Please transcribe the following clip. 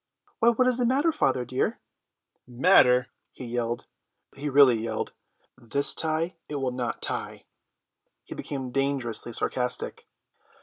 "Why, what is the matter, father dear?" "Matter!" he yelled; he really yelled. "This tie, it will not tie." He became dangerously sarcastic.